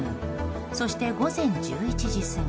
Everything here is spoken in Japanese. そして午前１１時過ぎ。